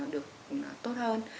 được tốt hơn